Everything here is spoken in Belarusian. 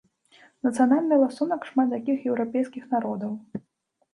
Нацыянальны ласунак шмат якіх еўрапейскіх народаў.